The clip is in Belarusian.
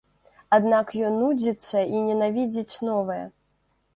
Аднак ён нудзіцца і ненавідзіць новае.